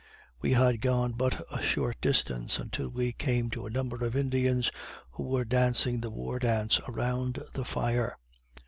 We had gone but a short distance until we came to a number of Indians who were dancing the war dance around the fire.